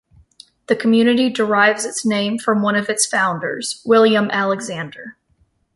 The community derives its name from one of its founders, William Alexander.